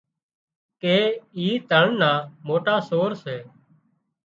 ڪي اي تۯ نا موٽا سور سي